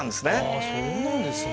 あそうなんですね！